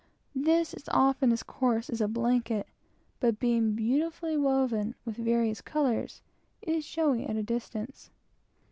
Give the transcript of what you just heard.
This is often as coarse as a blanket, but being beautifully woven with various colors, is quite showy at a distance.